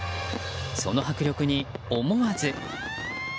その迫力に思わず。